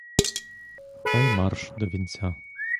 Та й марш до вінця!